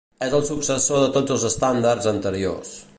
És el successor de tots els estàndards anteriors.